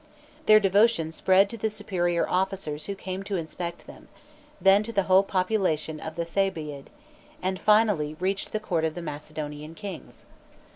Their devotion spread to the superior officers who came to inspect them, then to the whole population of the Thebàid, and finally reached the court of the Macedonian kings.